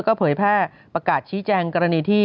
ก็เผยแพร่ประกาศชี้แจงกรณีที่